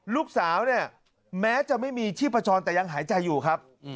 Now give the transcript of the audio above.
ลูกสาวเนี่ยแม้จะไม่มีชีพจรแต่ยังหายใจอยู่ครับ